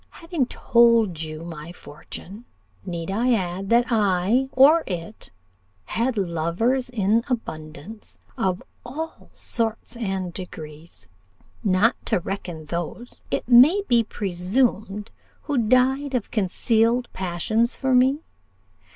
Having told you my fortune, need I add, that I, or it, had lovers in abundance of all sorts and degrees not to reckon those, it may be presumed, who died of concealed passions for me?